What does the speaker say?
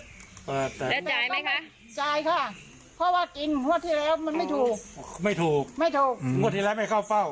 งวดที่แล้วมันไม่ถูกไม่ถูกไม่ถูกงวดที่แล้วไม่เข้าเป้า